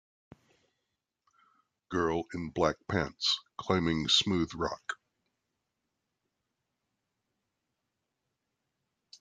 Girl in black pants climbing smooth rock.